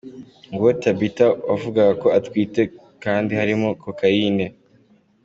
Nguwo Tabitha wavugaga ko atwite kandi harimo Kokayine.